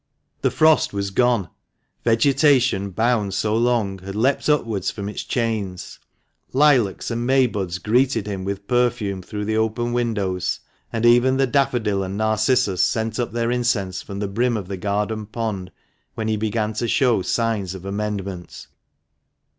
The frost was gone ; vegetation, bound so long, had leapt upwards from its chains. Lilacs and may buds greeted him with perfume through the open windows, and even the daffodil and narcissus sent up their incense from the brim of the garden pond when he began to show signs of amendment.